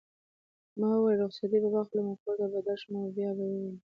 ما وویل: رخصتې به واخلم او کور ته به درشم او بیا به وینو.